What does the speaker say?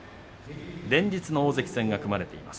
連日の大関戦が組まれています